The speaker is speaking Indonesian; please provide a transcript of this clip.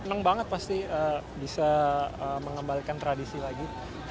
senang banget pasti bisa mengembalikan tradisi lagi